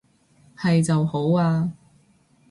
係就好啊